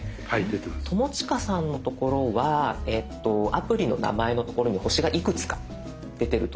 友近さんのところはアプリの名前のところに星がいくつか出てると思うんです。